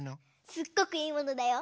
すっごくいいものだよ。